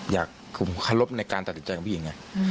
อยากขอบคุณในการตัดติดใจของผู้หญิง